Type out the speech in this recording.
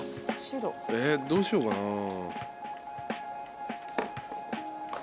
えどうしようかな。